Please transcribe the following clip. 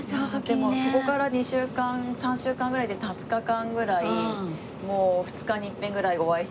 でもそこから２週間３週間ぐらいで２０日間ぐらいもう２日に一遍ぐらいお会いしに行って。